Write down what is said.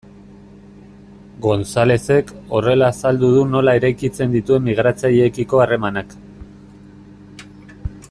Gonzalezek horrela azaldu du nola eraikitzen dituen migratzaileekiko harremanak.